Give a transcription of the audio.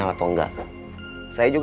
kalau kamu tuh kasih